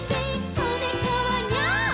こねこはニャー」